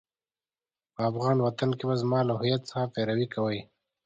په افغان وطن کې به زما له هويت څخه پيروي کوئ.